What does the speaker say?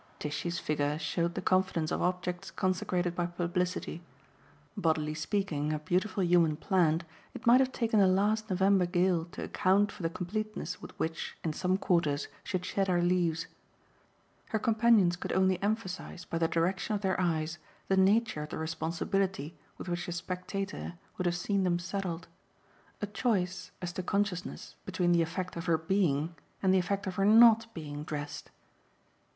Tishy's figure showed the confidence of objects consecrated by publicity; bodily speaking a beautiful human plant, it might have taken the last November gale to account for the completeness with which, in some quarters, she had shed her leaves. Her companions could only emphasise by the direction of their eyes the nature of the responsibility with which a spectator would have seen them saddled a choice, as to consciousness, between the effect of her being and the effect of her not being dressed.